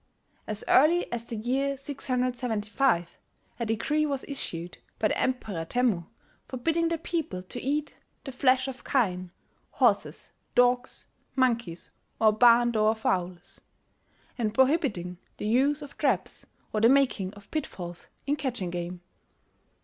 As early as the year 675, a decree was issued by the Emperor Temmu forbidding the people to eat "the flesh of kine, horses, dogs, monkeys, or barn door fowls," and prohibiting the use of traps or the making of pitfalls in catching game.